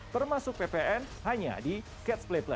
termasuk ppn hanya di catch play play